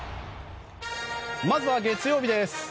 まずは月曜日です。